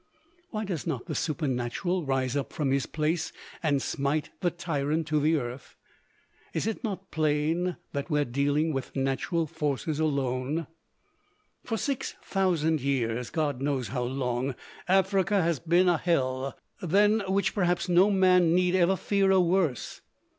Why does not the Supernatural rise up from his place and smite the tyrant to the earth? Is it not plain that we are dealing with natural forces alone? For six thousand years God knows how long Africa has been a hell, than which perhaps no man need ever fear a worse.